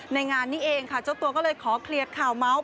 งานนี้เองค่ะเจ้าตัวก็เลยขอเคลียร์ข่าวเมาส์